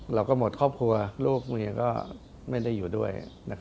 เราก็หมดครอบครัวลูกเมียก็ไม่ได้อยู่ด้วย